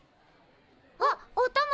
あっおたま。